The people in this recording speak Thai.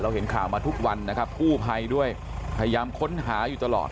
เห็นข่าวมาทุกวันนะครับกู้ภัยด้วยพยายามค้นหาอยู่ตลอด